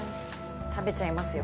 食べちゃいますよ